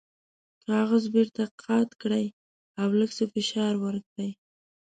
کاغذ بیرته قات کړئ او لږ څه فشار ورکړئ.